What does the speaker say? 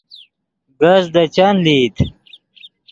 کز دے چند لئیت